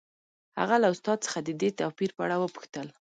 هغه له استاد څخه د دې توپیر په اړه وپوښتل